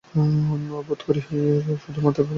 বোধ করি মধ্যে মধ্যে মাথায় অনেক ভাবনা উদয় হইয়াছিল।